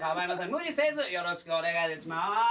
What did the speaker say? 無理せずよろしくお願いします。